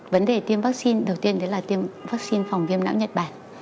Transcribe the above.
vấn đề tiêm vaccine đầu tiên đấy là tiêm vaccine phòng viêm não nhật bản